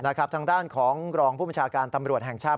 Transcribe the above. นะครับทางด้านของกรองผู้ประชาการตำรวจแห่งชาติ